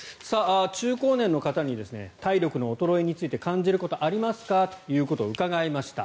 中高年の方に体力の衰えについて感じることありますかということを伺いました。